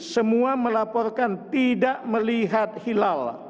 semua melaporkan tidak melihat hilal